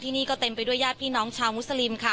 ที่นี่ก็เต็มไปด้วยญาติพี่น้องชาวมุสลิมค่ะ